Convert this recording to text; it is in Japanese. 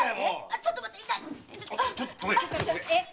ちょっと待って痛い！